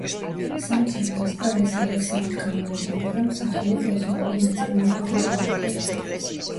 სამწერლო ასპარეზზე ლექსებით გამოვიდა, მაგრამ სახელი პროზაული ნაწარმოებებით მოიხვეჭა.